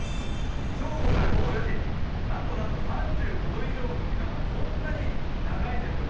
正午から午後４時なんとなんと、３５度以上の時間がこんなに長いんですよね。